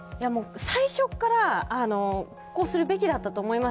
最初からこうするべきだったと思います。